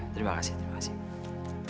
terima kasih terima kasih